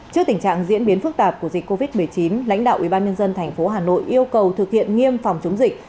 trước tình trạng diễn biến phức tạp của dịch covid một mươi chín lãnh đạo ubnd tp hà nội yêu cầu thực hiện nghiêm phòng chống dịch